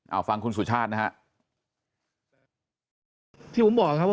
เอาฟังคุณสุชาตินะฮะ